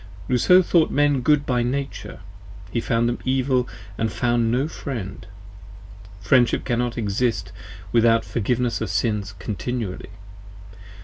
Rousseau thought Men Good by Nature: he found them Evil & found no friend. Friendship cannot exist without forgiveness of sins continually.